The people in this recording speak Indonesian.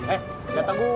eh dateng gue